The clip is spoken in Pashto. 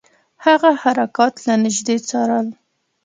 هغه حرکات له نیژدې څارل.